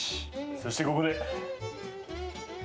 そしてここで。